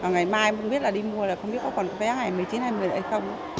ngày mai cũng biết là đi mua là không biết có còn vé ngày một mươi chín hai mươi hay không